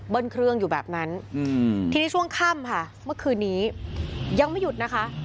เครื่องอยู่แบบนั้นทีนี้ช่วงค่ำค่ะเมื่อคืนนี้ยังไม่หยุดนะคะ